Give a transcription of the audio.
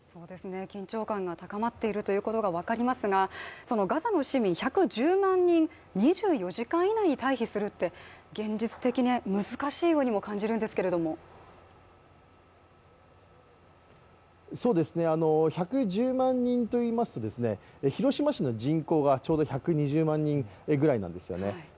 緊張感が高まっているということが分かりますが、ガザの市民１１０万人、２４時間以内に退避するって現実的に難しいようにも感じるんですけれども１１０万人といいますと、広島市の人口がちょうど１２０万人ぐらいなんですよね。